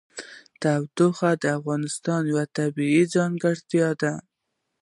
تودوخه د افغانستان یوه طبیعي ځانګړتیا ده.